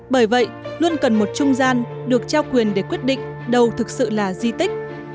bởi vậy luôn cần một trung gian được trao quyền để quyết định đâu thực sự là di tích